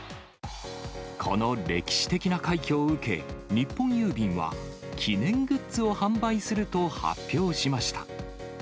この歴史的な快挙を受け、日本郵便は記念グッズを販売すると発表しました。